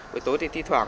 bữa tối thì thi thoảng